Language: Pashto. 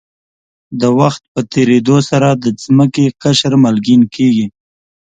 د وخت په تېرېدو سره د ځمکې قشر مالګین کېږي.